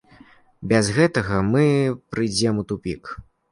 Без гэтага мы прыйдзем у тупік.